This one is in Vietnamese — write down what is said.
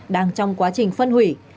đang trong quá trình phân hủy